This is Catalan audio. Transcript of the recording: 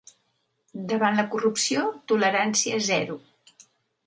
Davant la corrupció, tolerància zero.